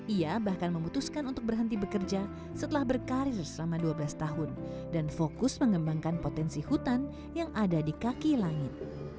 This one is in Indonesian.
ia bahkan memutuskan untuk berhenti bekerja setelah berkarir selama dua belas tahun dan fokus mengembangkan potensi hutan yang ada di kaki langit